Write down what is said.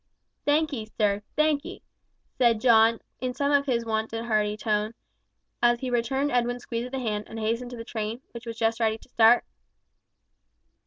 "Thank 'ee, sir, thank 'ee," said John, in something of his wonted hearty tone, as he returned Edwin's squeeze of the hand, and hastened to the train, which was just ready to start.